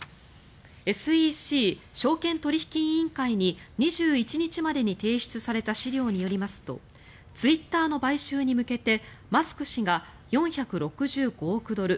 ＳＥＣ・証券取引委員会に２１日までに提出された資料によりますとツイッターの買収に向けてマスク氏が４６５億ドル